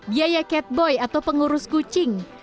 biaya catboy atau pengurus kucing